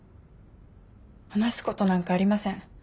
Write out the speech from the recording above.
話すことなんかありません。